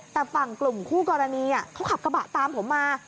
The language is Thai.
แต่ฝั่งกลุ่มคู่กรณีเขาขับกระบะตามผมมา